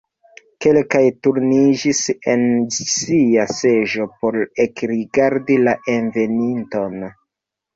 Kelkaj turniĝis en sia seĝo por ekrigardi la enveninton.